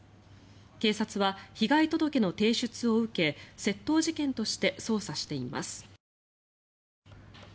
警察は被害届の提出を受け窃盗事件として捜査しています。